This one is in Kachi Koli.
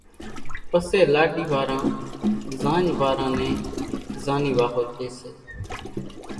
پسيَ لاڏِي واران زاڃ واران نين زانِي واۿو ڄيَ سي۔